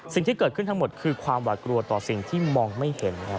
สิ่งที่เกิดขึ้นทั้งหมดคือความหวาดกลัวต่อสิ่งที่มองไม่เห็นครับ